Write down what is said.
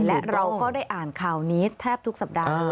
และเราก็ได้อ่านข่าวนี้แทบทุกสัปดาห์